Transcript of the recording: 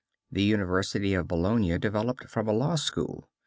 The University of Bologna developed from a law school.